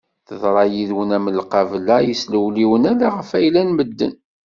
Teḍra yid-wen am lqabla yeslewliwen ala ɣef ayla n medden.